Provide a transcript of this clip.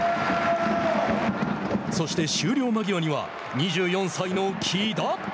そして終了間際には２４歳の氣田。